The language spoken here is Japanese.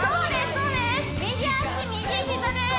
そうです